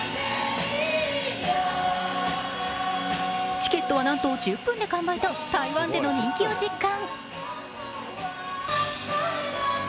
チケットはなんと１０分で完売と、台湾での人気を実感。